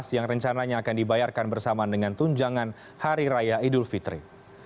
yang rencananya akan dibayarkan bersama dengan tunjangan hari raya idul fitri